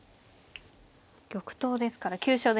玉頭ですから急所ですね。